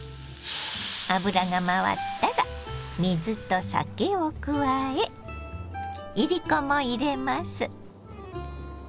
油が回ったら水と酒を加えいりこも入れます。